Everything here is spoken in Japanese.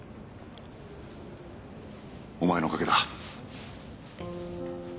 お前のおかげだ。